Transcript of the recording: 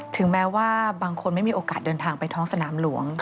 ถึงแม้ว่าบางคนไม่มีโอกาสเดินทางไปท้องสนามหลวง